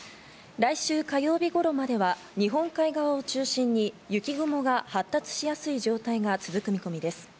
来週火曜日頃までは日本海側を中心に雪雲が発達しやすい状態が続く見込みです。